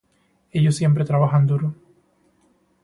Ellos siempre trabajan duro.